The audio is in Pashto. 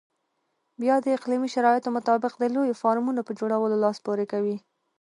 بیا د اقلیمي شرایطو مطابق د لویو فارمونو په جوړولو لاس پورې کوي.